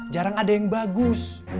jarang ada yang bagus